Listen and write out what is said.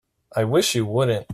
I wish you wouldn't.